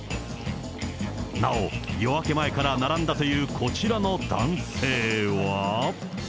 なお夜明け前から並んだというこちらの男性は。